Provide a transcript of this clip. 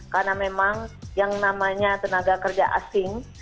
karena memang yang namanya tenaga kerja asing